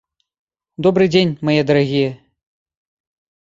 Добры дзень, мае дарагія.